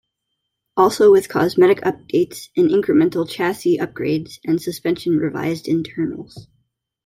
Also with cosmetic updates and incremental chassis upgrades and suspension revised internals.